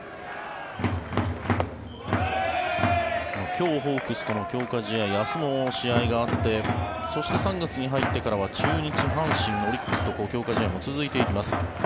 今日、ホークスとの強化試合明日も試合があってそして３月に入ってからは中日、阪神、オリックスと強化試合も続いていきます。